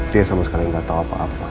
dia sama sekali gak tau apa apa